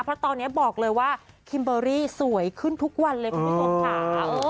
เพราะตอนนี้บอกเลยว่าคิมเบอรี่สวยขึ้นทุกวันเลยคุณผู้ชมค่ะ